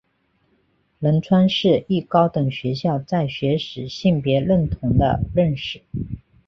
仁川世一高等学校在学时性别认同的认识。